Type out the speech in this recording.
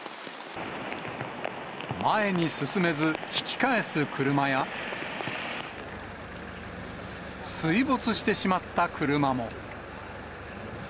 前に進めず、引き返す車や、水没してしまった車も。